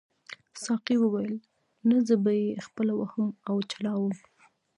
ساقي وویل نه زه به یې خپله وهم او چلاوم.